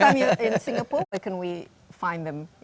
lain kali kamu di singapura apakah kita bisa menemukan mereka